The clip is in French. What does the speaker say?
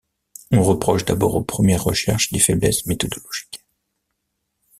On reproche d’abord aux premières recherches des faiblesses méthodologiques.